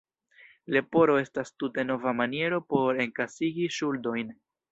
Leporo estas tute nova maniero por enkasigi ŝuldojn.